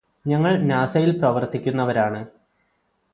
ഞങ്ങൾ നാസയിൽ പ്രവർത്തിക്കുന്നവരാണ്